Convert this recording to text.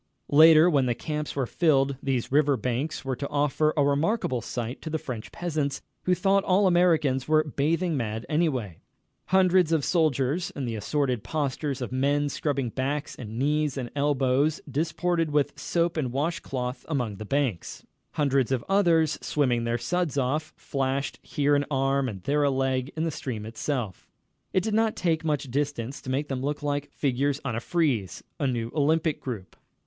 Later, when the camps were filled, these river banks were to offer a remarkable sight to the French peasants, who thought all Americans were bathing mad anyway. Hundreds of soldiers, in the assorted postures of men scrubbing backs and knees and elbows, disported with soap and wash cloth along the banks. Hundreds of others, swimming their suds off, flashed here an arm and there a leg in the stream itself. It did not take much distance to make them look like figures on a frieze, a new Olympic group.